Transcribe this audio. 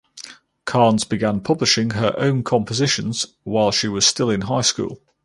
Karns began publishing her own compositions while she was still in high school.